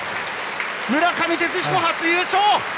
村上哲彦、初優勝！